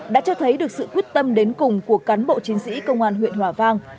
đã cho thấy được sự quyết tâm đến cùng của cán bộ chiến sĩ công an huyện hòa vang